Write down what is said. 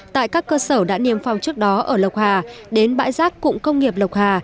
tại các cơ sở đã niêm phong trước đó ở lộc hà đến bãi rác cụng công nghiệp lộc hà